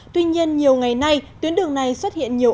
tuy nhiên nhiều ngày nay tuyến đường này xuất hiện nhiều ổ gắn